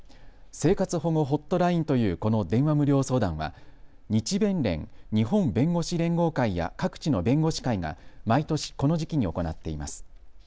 生活保護ホットラインというこの電話無料相談は日弁連・日本弁護士連合会や各地の弁護士会が毎年この時期に行っています。